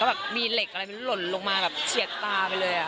แบบมีเหล็กอะไรมันหล่นลงมาแบบเฉียดตาไปเลย